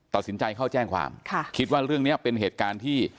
ตัดสินใจเข้าแจ้งความคิดว่าเรื่องนี้เป็นเหตุการณ์ที่